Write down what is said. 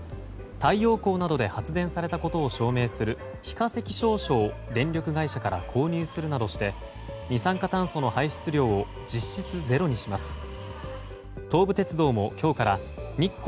太陽光などで発電されたことを証明する非化石証書を電力会社から購入するなどして二酸化炭素の排出量を実質ゼロにします。